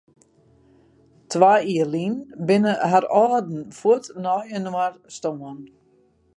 Twa jier lyn binne har âlden fuort nei inoar stoarn.